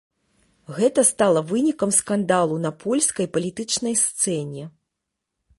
Гэта стала вынікам скандалу на польскай палітычнай сцэне.